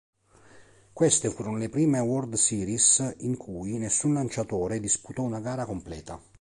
Queste furono le prime World Series in cui nessun lanciatore disputò una gara completa.